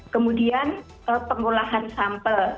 kemudian pengolahan sampel